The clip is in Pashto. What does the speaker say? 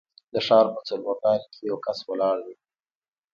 د ښار په څلورلارې کې یو کس ولاړ دی.